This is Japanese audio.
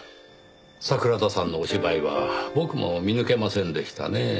桜田さんのお芝居は僕も見抜けませんでしたねぇ。